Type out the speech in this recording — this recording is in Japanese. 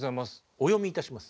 お読みいたします。